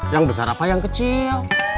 yang besar apa yang kecil